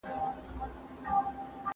یوني سیسټم دقیق او خوندي دی.